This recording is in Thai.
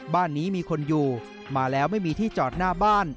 บ้านนี้มีคนอยู่มาแล้วไม่มีที่จอดหน้าบ้าน